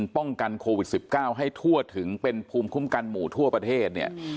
ป้องกันโควิด๑๙ให้ทั่วถึงเป็นภูมิคุ้มกันหมู่ทั่วประเทศเนี่ย